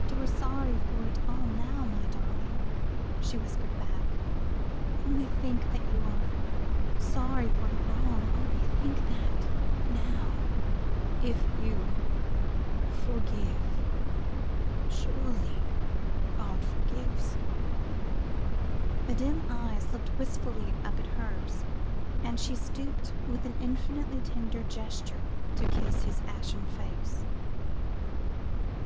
"But you are sorry for it all now, my darling," she whispered back; "only think that you are sorry for the wrong; only think that now." "If you forgive surely God forgives?" The dim eyes looked wistfully up at hers, and she stooped with an infinitely tender gesture, to kiss his ashen face.